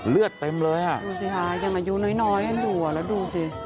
เลือดเต็มเลยอ่ะดูสิฮะยังอายุน้อยดูอ่ะแล้วดูสิ